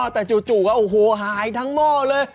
แต่จู่หายทั้งหม้อเลย